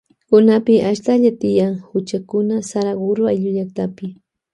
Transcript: Kunapi ashtalla tiyan huchakuna Saraguroayllu llaktapi.